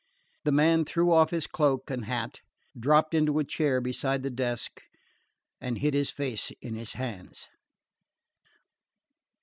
The man threw off his cloak and hat, dropped into a chair beside the desk, and hid his face in his hands.